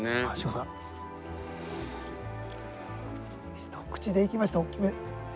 一口でいきました大きめ。